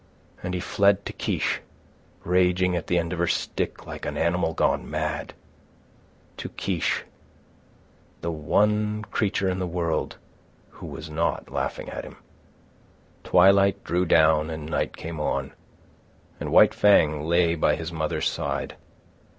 And he fled to Kiche, raging at the end of her stick like an animal gone mad—to Kiche, the one creature in the world who was not laughing at him. Twilight drew down and night came on, and White Fang lay by his mother's side.